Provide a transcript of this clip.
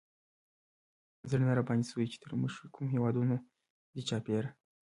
زړه نه راباندې سوزي، چې تر مونږ کوم هېوادونه دي چاپېره